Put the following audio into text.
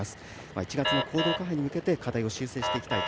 １月の講道館杯に向けて課題を修正していきたいと。